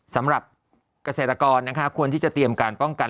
สำหรับเกษตรกรนะคะควรที่จะเตรียมการป้องกัน